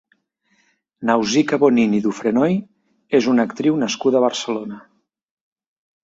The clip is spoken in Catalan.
Nausicaa Bonnín i Dufrenoy és una actriu nascuda a Barcelona.